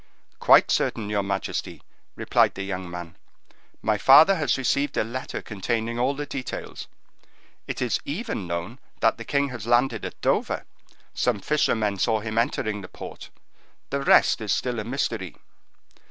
"Quite certain, your majesty," replied the young man; "my father has received a letter containing all the details; it is even known that the king has landed at Dover; some fishermen saw him entering the port; the rest is still a mystery."